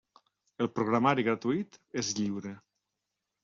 El programari gratuït és lliure.